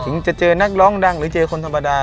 จะเจอนักร้องดังหรือเจอคนธรรมดา